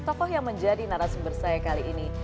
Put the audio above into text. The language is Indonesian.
tokoh yang menjadi narasumber saya kali ini